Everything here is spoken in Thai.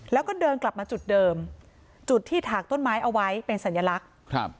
แล้วก็เดินกลับมาจุดเดิมจุดที่ถากต้นไม้เอาไว้เป็นสัญลักษณ์ครับ